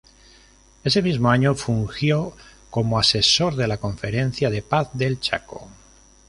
Ese mismo año, fungió como asesor de la conferencia de paz del Chaco.